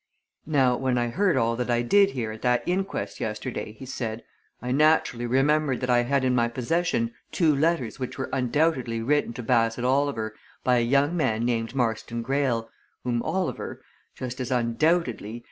"Now, when I heard all that I did hear at that inquest yesterday," he said, "I naturally remembered that I had in my possession two letters which were undoubtedly written to Bassett Oliver by a young man named Marston Greyle, whom Oliver just as undoubtedly!